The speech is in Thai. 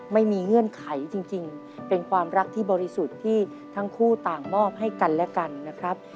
เงื่อนไขจริงเป็นความรักที่บริสุทธิ์ที่ทั้งคู่ต่างมอบให้กันและกันนะครับ